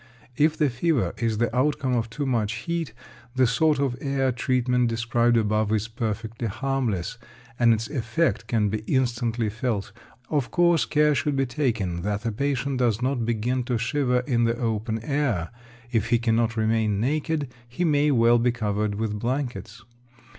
If the fever is the outcome of too much heat, the sort of air treatment described above is perfectly harmless, and its effect can be instantly felt. Of course, care should be taken that the patient does not begin to shiver in the open air. If he cannot remain naked, he may well be covered with blankets.